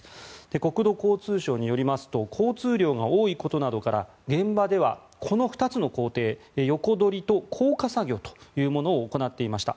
国土交通省によりますと交通量が多いことなどから現場では、この２つの工程横取りと降下作業というものを行っていました。